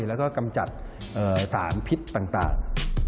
แล้วก็กำจัดสารพิษต่าง